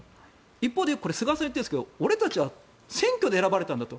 一方でこれ菅さんが言っているんですが俺たちは選挙で選ばれたんだと。